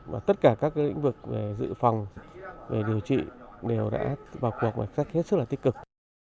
và tất cả các lĩnh vực về dự phòng về điều trị đều đã vào cuộc một cách hết sức là tích cực